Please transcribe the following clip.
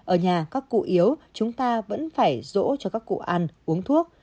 ở nhà các cụ yếu chúng ta vẫn phải rỗ cho các cụ ăn uống thuốc